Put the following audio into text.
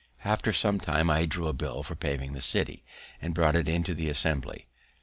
After some time I drew a bill for paving the city, and brought it into the Assembly.